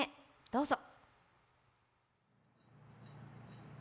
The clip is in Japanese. どうぞ。